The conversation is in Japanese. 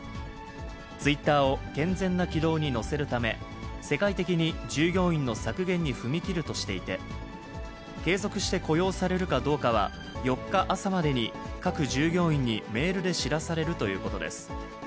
ツイッターを健全な軌道に乗せるため、世界的に従業員の削減に踏み切るとしていて、継続して雇用されるかどうかは、４日朝までに、各従業員にメールで知らされるということです。